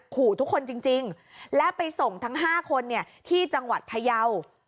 ขู่ทุกคนจริงและไปส่งทั้ง๕คนที่จังหวัดพยาว